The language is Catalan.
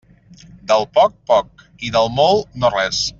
Del poc, poc, i del molt, no res.